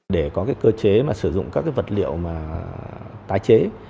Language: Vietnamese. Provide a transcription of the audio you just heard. để có cái cơ chế mà sử dụng các cái vật liệu mà tái chế